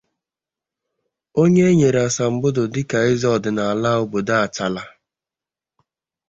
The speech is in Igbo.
onye e nyere asambodo dịka eze ọdịnala obodo Achala